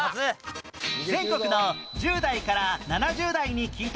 全国の１０代から７０代に聞いた